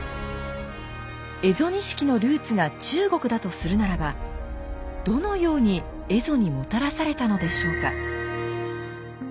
蝦夷錦のルーツが中国だとするならばどのように蝦夷にもたらされたのでしょうか。